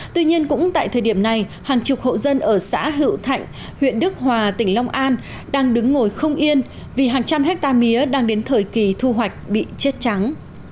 tuy nhiên cũng tại thời điểm này hàng chục hộ dân ở xã hữu thạnh huyện đức hòa tỉnh long an đang đứng ngồi không yên vì hàng trăm hectare mía đang đến thời kỳ thu hoạch bị chết trắng